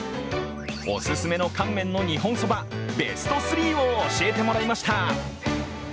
オススメの乾麺の日本そば、ベスト３を教えてもらいました。